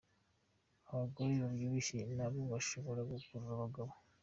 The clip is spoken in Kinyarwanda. Abagore babyibushye na bo bashobora gukurura abagabo